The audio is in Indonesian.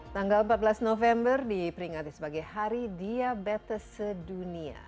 tanggal empat belas november diperingati sebagai hari diabetes sedunia